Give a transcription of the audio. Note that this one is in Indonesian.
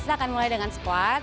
kita akan mulai dengan squat